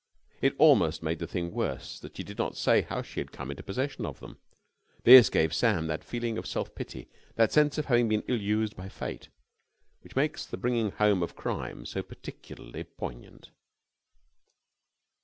It almost made the thing worse that she did not say how she had come into possession of them. This gave Sam that feeling of self pity, that sense of having been ill used by Fate, which makes the bringing home of crime so particularly poignant.